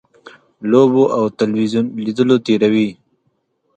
لوبو او تلویزیون لیدلو تېروي.